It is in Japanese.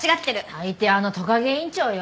相手はあのトカゲ院長よ。